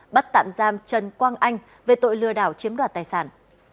bắt tạm giam trần quang anh về tội lừa đảo chiếm đoạt tài sản